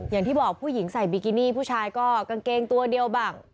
อย่างที่บอกผู้หญิงใส่บิกินี่ผู้ชายก็กางเกงตัวเดียวบ้าง